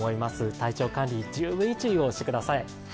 体調管理、十分に注意をしてください。